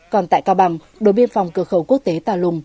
còn tại cao bằng đội biên phòng cửa khẩu quốc tế tà lùng